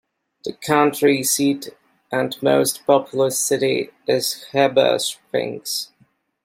The county seat and most populous city is Heber Springs.